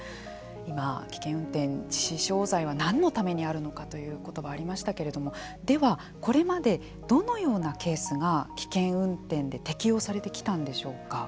今危険運転致死傷罪は何のためにあるのかという言葉ありましたけれどもではこれまでどのようなケースが危険運転で適用されてきたんでしょうか？